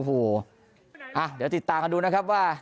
โอ้โหเดี๋ยวติดตามกันดูนะครับว่า